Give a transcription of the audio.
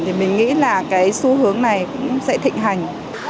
thì mình nghĩ là cái xu hướng này cũng sẽ thịnh hành